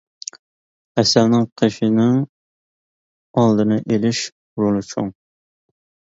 ھەسەلنىڭ قېشىنىڭ ئالدىنى ئېلىش رولى چوڭ.